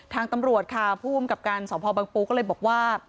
ทางตำรวจค่ะผู้อำกับการสพบังปูก็เลยบอกว่า